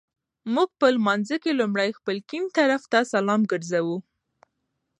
مونږ په لمانځه کي لومړی خپل ګېڼ طرفته سلام ګرځوو